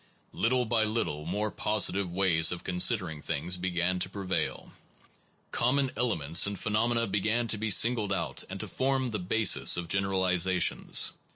1 Little by little, more positive ways of con sidering things began to prevail. Common ele ments in phenomena began to be singled out and to form the basis of generalizations.